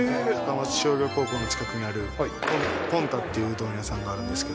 商業高校の近くにあるぽんたといううどん屋さんがあるんですけど。